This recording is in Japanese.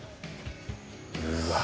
うわ。